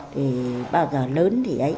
thì bao giờ lớn thì ấy